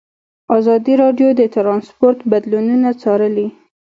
ازادي راډیو د ترانسپورټ بدلونونه څارلي.